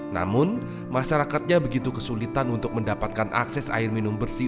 namun masyarakatnya begitu kesulitan untuk mendapatkan akses air minum bersih